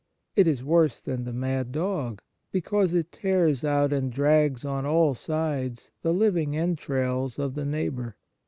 It is worse than the mad dog, because it tears out and drags on all sides the living entrails of the neigh bour.